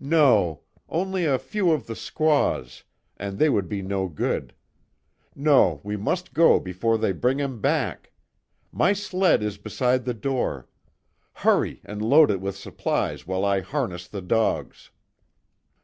"No only a few of the squaws and they would be no good. No, we must go before they bring him back! My sled is beside the door. Hurry and load it with supplies while I harness the dogs."